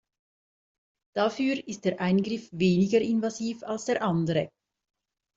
Dafür ist der Eingriff weniger invasiv als der andere.